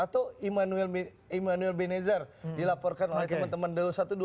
atau immanuel benizer dilaporkan oleh teman teman dlu dua belas